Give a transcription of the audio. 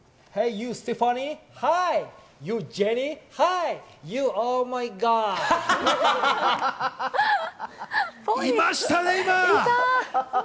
いましたね、今。